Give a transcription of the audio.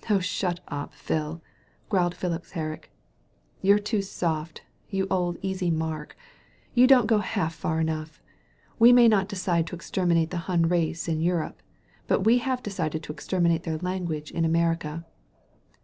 '* "Oh, shut up, Phil," growled Phipps Herrick. 146 THE HEARING EAR "You're too soft, you old easy mark! You don't go half far enough. We may not decide to exter minate the Hun race in Europe. But we have de cided to exterminate their language in America.'